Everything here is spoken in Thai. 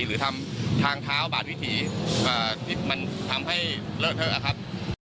หรือทำทางเท้าบาดวิถีที่มันทำให้เลอะเทอะครับ